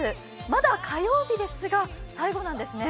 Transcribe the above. まだ火曜日ですが、最後なんですね？